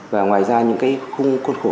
và ngoài ra những cái khung khuôn khổ